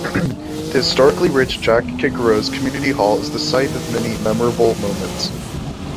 The historically rich Jack Kickeros community hall is the site of many memorable moments.